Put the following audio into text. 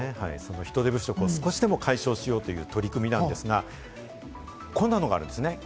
人手不足を少しでも解消するという取り組みなんですが、こんなのがあるんですね。